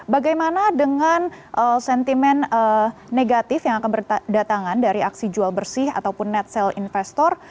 bagaimana dengan sentimen negatif yang akan berdatangan dari aksi jual bersih ataupun net sale investor